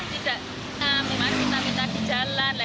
tidak meminta minta di jalan